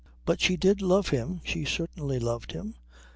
But she did love him. She certainly loved him.